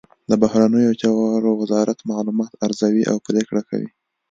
د بهرنیو چارو وزارت معلومات ارزوي او پریکړه کوي